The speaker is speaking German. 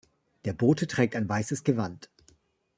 Der Bote trägt ein weißes Gewand.